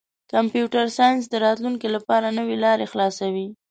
کمپیوټر ساینس د راتلونکي لپاره نوې لارې خلاصوي.